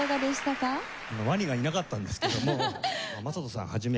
ワニがいなかったんですけども優人さんを始め